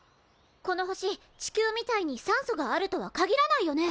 この星地球みたいに酸素があるとは限らないよね？